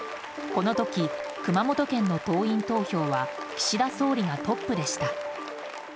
この時、熊本県の党員投票は岸田総理がトップでした。